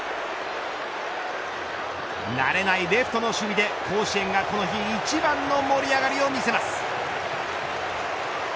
慣れないレフトの守備で甲子園はこの日一番の盛り上がりを見せます。